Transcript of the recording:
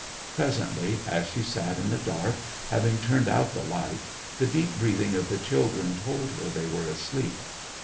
Presently, as she sat in the dark, having turned out the light, the deep breathing of the children told her they were asleep.